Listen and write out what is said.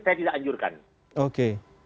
saya tidak anjurkan oke